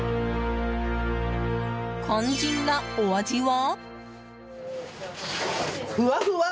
肝心なお味は？